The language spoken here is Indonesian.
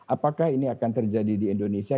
apakah ini akan terjadi di indonesia